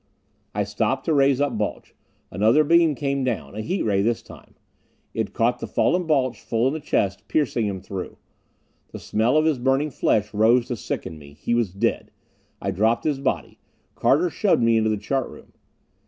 I stopped to raise up Balch. Another beam came down. A heat ray this time. It caught the fallen Balch full in the chest, piercing him through. The smell of his burning flesh rose to sicken me. He was dead. I dropped his body. Carter shoved me into the chart room.